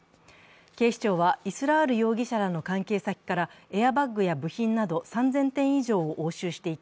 警視庁は、イスラール容疑者らの関係先からエアバッグや部品など３０００点以上を押収していて、